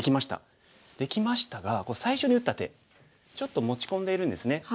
できましたが最初に打った手ちょっと持ち込んでいるんですね。